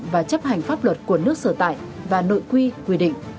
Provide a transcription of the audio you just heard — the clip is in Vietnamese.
và chấp hành pháp luật của nước sở tại và nội quy quy định